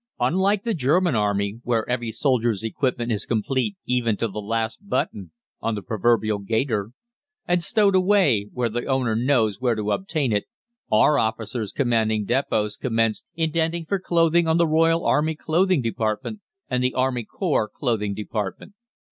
Unlike the German Army, where every soldier's equipment is complete even to the last button on the proverbial gaiter, and stowed away where the owner knows where to obtain it, our officers commanding depôts commenced indenting for clothing on the Royal Army Clothing Department and the Army Corps Clothing Department.